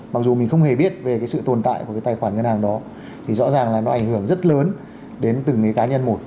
mặc dù mình không hề biết về cái sự tồn tại của cái tài khoản ngân hàng đó thì rõ ràng là nó ảnh hưởng rất lớn đến từng cái cá nhân một